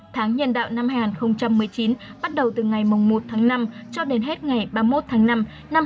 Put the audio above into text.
tháng nhân đạo năm hai nghìn một mươi chín bắt đầu từ ngày một tháng năm cho đến hết ngày ba mươi một tháng năm năm hai nghìn hai mươi